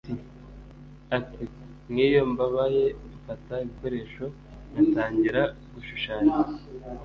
ati: “nk‘iyo mbabaye mfata ibikoresho nkatangira gushushanya,